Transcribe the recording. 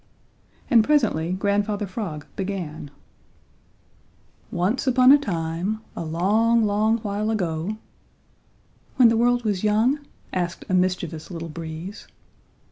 And presently Grandfather Frog began: "Once upon a time a long, long while ago " "When the world was young?" asked a mischievous little Breeze.